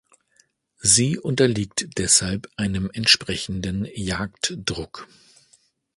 Sie unterliegt deshalb einem entsprechenden Jagddruck.